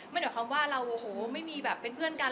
หมายความว่าเราโอ้โหไม่มีแบบเป็นเพื่อนกัน